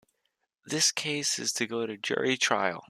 This case is to go to Jury trial.